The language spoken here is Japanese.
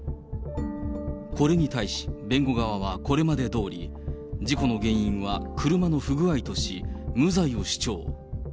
これに対し弁護側はこれまでどおり、事故の原因は車の不具合とし、無罪を主張。